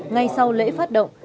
ngay sau lễ phát động